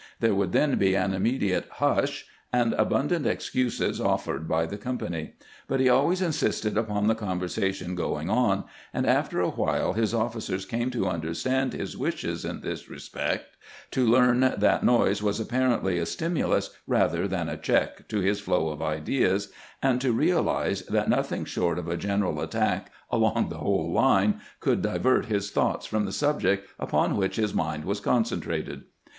There would then be an immediate " Hush !" and abundant excuses offered by the company ; but he always insisted upon the con versation going on, and after a while his officers came to understand his wishes in this respect, to learn that noise was apparently a stimulus rather than a check to his flow of ideas, and to realize that nothing short of a general attack along the whole line could divert his thoughts from the subject upon which his mind was concentrated.